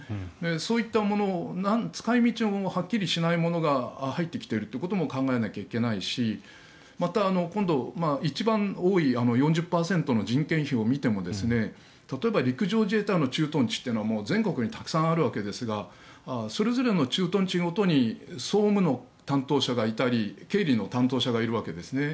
そういったもの使い道のはっきりしないものが入ってきているということも考えないといけないしあと、一番多い４０％の人件費を見ても例えば陸上自衛隊の駐屯地は全国にたくさんあるわけですがそれぞれの駐屯地ごとに総務の担当者がいたり経理の担当者がいるわけです。